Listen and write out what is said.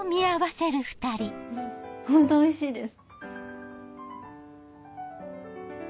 ホントおいしいです。